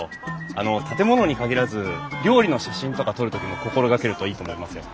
あの建物に限らず料理の写真とか撮る時も心がけるといいと思いますよ。